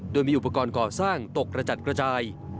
โดยมีอุปกรณ์ก่อสร้างตกกระจัดกระจาย